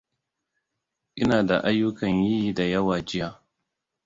Ina da ayyukan yi da yawa jiya.